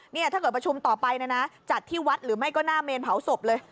ถ้าเกิดประชุมต่อไปนะนะจัดที่วัดหรือไม่ก็หน้าเมนเผาศพเลย